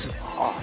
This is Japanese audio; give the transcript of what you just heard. あ